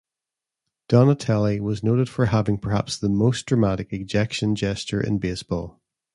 Donatelli was noted for having perhaps the most dramatic ejection gesture in baseball.